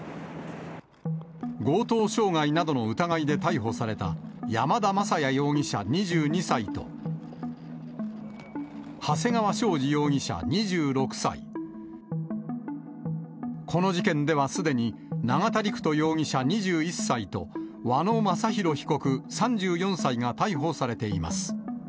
強盗傷害などの疑いで逮捕された、山田雅也容疑者２２歳と、長谷川将司容疑者２６歳、この事件ではすでに永田陸人容疑者２１歳と、和野正弘被告３４歳が逮捕されています。